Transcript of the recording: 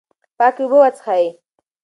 پاکې اوبه وڅښئ.